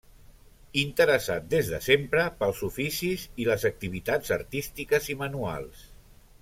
Interessat des de sempre pels oficis i les activitats artístiques i manuals.